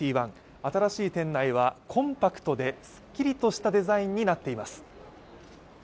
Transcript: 新しい店内はコンパクトですっきりとしたデザインになっています。